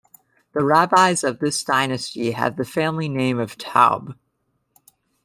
The rabbis of this dynasty have the family name of "Taub".